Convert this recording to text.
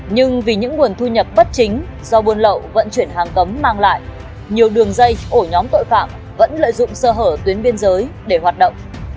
nhưng vì những nguồn thu nhập bất chính do buôn lậu vận chuyển hàng cấm mang lại nhiều đường dây ổ nhóm tội phạm vẫn lợi dụng sơ hở tuyến biên giới để hoạt động